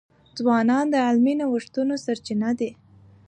ځوانان د علمي نوښتونو سرچینه دي.